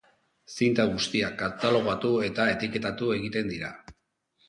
Zinta guztiak katalogatu eta etiketatu egiten dira.